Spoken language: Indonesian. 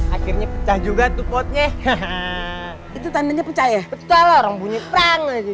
akhirnya juga tuh potnya itu tandanya percaya orang bunyi perang aja